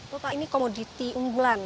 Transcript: bapak ini komoditi unggulan